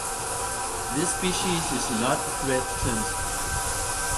This species is not threatened.